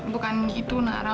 bukan gitu nara